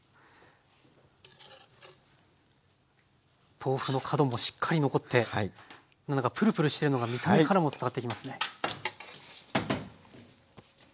豆腐の角もしっかり残ってプルプルしてるのが見た目からも伝わってきますね。